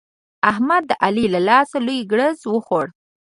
احمد د علي له لاسه لوی ګړز وخوړ.